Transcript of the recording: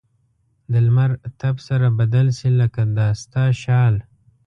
د لمر تپ سره بدل شي؛ لکه د ستا شال.